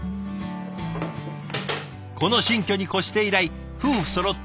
この新居に越して以来夫婦そろって自宅でランチ。